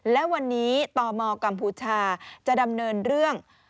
และวันนี้ตมกัมพูชาจะดำเนินเรื่อง